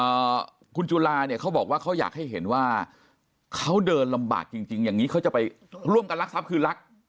อ่าคุณจุลาเนี่ยเขาบอกว่าเขาอยากให้เห็นว่าเขาเดินลำบากจริงจริงอย่างงี้เขาจะไปร่วมกันรักทรัพย์คือรัก